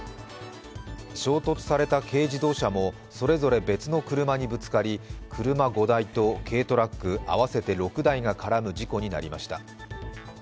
衝突された軽自動車もそれぞれ別の車にぶつかり車５台と軽トラック合わせて６台が絡む事故となりました。